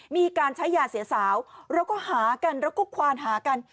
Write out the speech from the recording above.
มีการใช้ยาเสียสาวแล้วก็หากันแล้วก็ควานหากัน